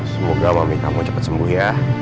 semoga mami kamu cepet sembuh ya